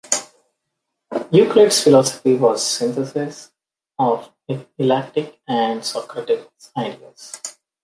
Euclid's philosophy was a synthesis of Eleatic and Socratic ideas.